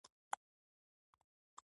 ميرويس نيکه ورته ځير شو.